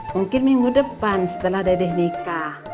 mungkin minggu depan setelah dedek nikah